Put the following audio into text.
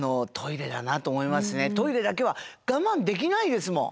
トイレだけは我慢できないですもん。